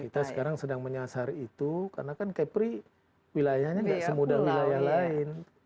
kita sekarang sedang menyasar itu karena kan kepri wilayahnya nggak semudah wilayah lain